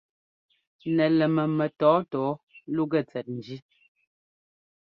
Nɛlɛmmɛ mɛtɔ̌ɔtɔ̌ɔ lúgɛ tsɛt njí.